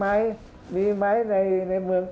ภาคอีสานแห้งแรง